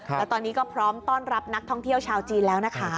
แล้วตอนนี้ก็พร้อมต้อนรับนักท่องเที่ยวชาวจีนแล้วนะคะ